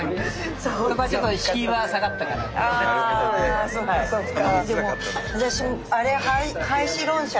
ああそっかそっか。